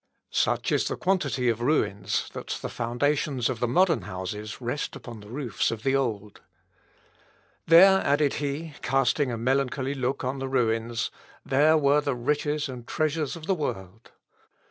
Such is the quantity of ruins, that the foundations of the modern houses rest upon the roofs of the old. "There," added he, casting a melancholy look on the ruins, "there were the riches and treasures of the world."